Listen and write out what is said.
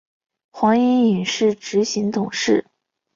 黄影影执行董事。